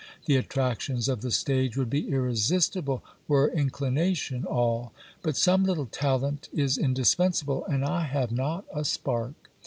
The attractions of the stage would be irresistible, were inclination all. But some little talent is indispensable ; and I have not a spark.